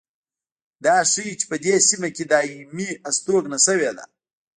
دا ښيي چې په دې سیمه کې دایمي هستوګنه شوې ده